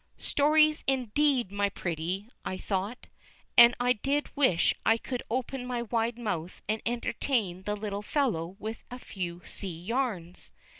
"Stories, indeed, my pretty," I thought, and I did wish I could open my wide mouth and entertain the little fellow with a few sea yarns.